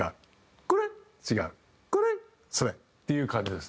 「それ」っていう感じですね。